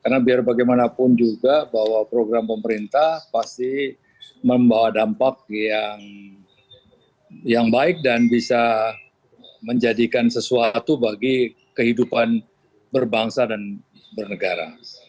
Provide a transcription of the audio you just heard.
karena biar bagaimanapun juga bahwa program pemerintah pasti membawa dampak yang baik dan bisa menjadikan sesuatu bagi kehidupan berbangsa dan bernegara